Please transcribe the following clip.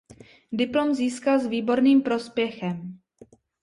Diplom získal s výborným prospěchem.